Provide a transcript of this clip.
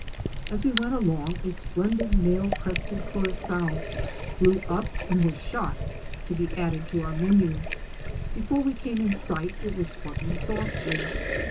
As we went along a splendid male Crested Curassow * flew up and was shot, to be added to our menu. Before we came in sight it was clucking softly.